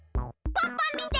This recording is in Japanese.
パパみて！